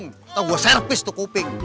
atau gue servis tuh kuping